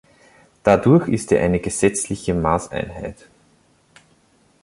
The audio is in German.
Dadurch ist er eine gesetzliche Maßeinheit.